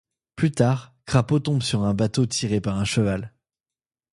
Plus tard, Crapaud tombe sur un bateau tiré par un cheval.